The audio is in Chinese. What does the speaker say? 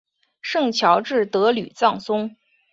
圣乔治德吕藏松。